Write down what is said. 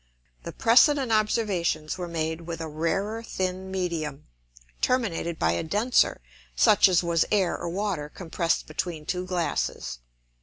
The precedent Observations were made with a rarer thin Medium, terminated by a denser, such as was Air or Water compress'd between two Glasses.